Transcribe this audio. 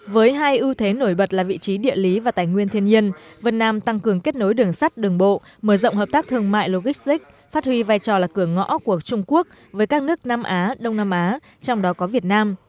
với hai ưu thế nổi bật là vị trí địa lý và tài nguyên thiên nhiên vân nam tăng cường kết nối đường sắt đường bộ mở rộng hợp tác thương mại logistic phát huy vai trò là cửa ngõ của trung quốc với các nước nam á đông nam á trong đó có việt nam